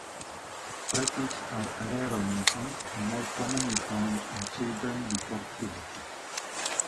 Freckles are rare on infants, and more commonly found on children before puberty.